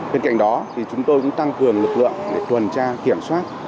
bên cạnh đó thì chúng tôi cũng tăng cường lực lượng để tuần tra kiểm soát